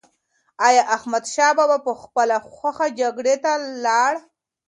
ایا احمدشاه بابا په خپله خوښه جګړې ته لاړ؟